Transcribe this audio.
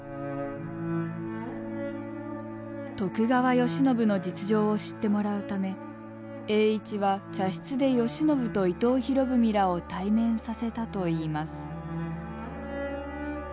徳川慶喜の実情を知ってもらうため栄一は茶室で慶喜と伊藤博文らを対面させたといいます。